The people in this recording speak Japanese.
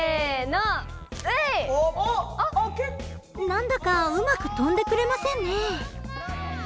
何だかうまく飛んでくれませんね。